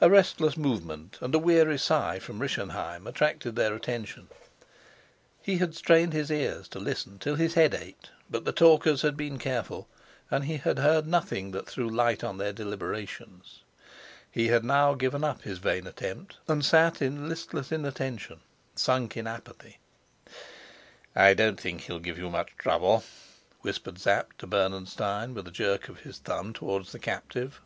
A restless movement and a weary sigh from Rischenheim attracted their attention. He had strained his ears to listen till his head ached, but the talkers had been careful, and he had heard nothing that threw light on their deliberations. He had now given up his vain attempt, and sat in listless inattention, sunk in an apathy. "I don't think he'll give you much trouble," whispered Sapt to Bernenstein, with a jerk of his thumb towards the captive.